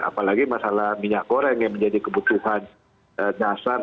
apalagi masalah minyak goreng yang menjadi kebutuhan dasar